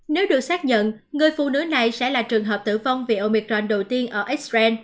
nếu được xác nhận người phụ nữ này sẽ là trường hợp tử vong vì omicron đầu tiên ở israel